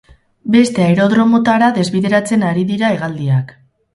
Beste aerodromotara desbideratzen ari dira hegaldiak.